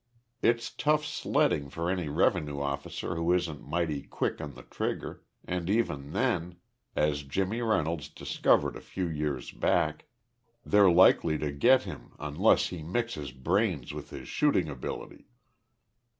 It's tough sledding for any revenue officer who isn't mighty quick on the trigger, and even then as Jimmy Reynolds discovered a few years back they're likely to get him unless he mixes brains with his shooting ability."